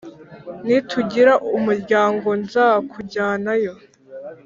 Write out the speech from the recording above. nitugira umuryango nzakujyanayo